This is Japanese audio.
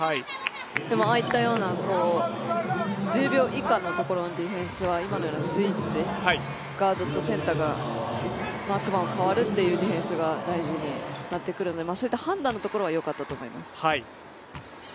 でも、ああいったような１０秒以下で今のようなスイッチガードとセンターがマークマンが代わるところのディフェンスが大事になりますのでそういった判断のところは良かったと思います。